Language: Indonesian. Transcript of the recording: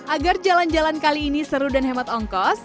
agar jalan jalan kali ini seru dan hemat ongkos